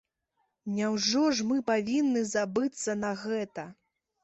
Няўжо ж мы павінны забыцца на гэта.